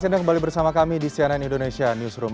selamat datang kembali bersama kami di cnn indonesia newsroom